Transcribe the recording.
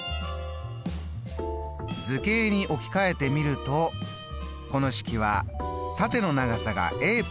図形に置き換えてみるとこの式は縦の長さが＋